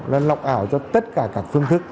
là lọc ảo cho tất cả các phương thức